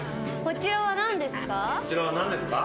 こちらは何ですか？